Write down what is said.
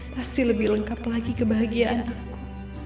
pasti lebih lengkap lagi kebahagiaan aku